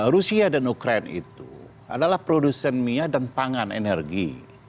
rusia dan ukraine itu adalah produsen minyak dan pangan energi